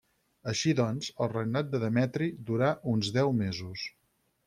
Així doncs, el regnat de Demetri durà uns deu mesos.